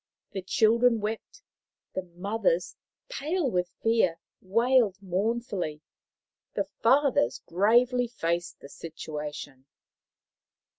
The children wept, the mothers, pale with fear, wailed mournfully, the fathers gravely faced the situation.